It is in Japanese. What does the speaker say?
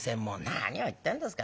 「何を言ってんですか。